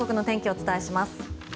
お伝えします。